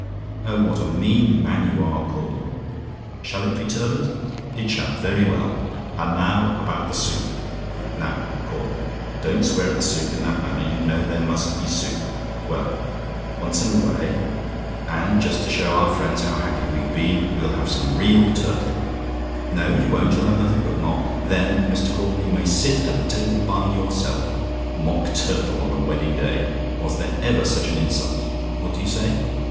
Oh, what a mean man you are, Caudle! Shall it be turbot? "IT SHALL? "Very well. And now about the soup now, Caudle, don't swear at the soup in that manner; you know there must be soup. Well, once in a way, and just to show our friends how happy we've been, we'll have some real turtle. "NO, YOU WON'T, YOU'LL HAVE NOTHING BUT MOCK? "Then, Mr. Caudle, you may sit at the table by yourself. Mock turtle on a wedding day! Was there ever such an insult? What do you say?